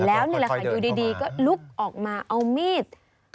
แล้วนี่แหละค่ะอยู่ดีก็ลุกออกมาเอามีด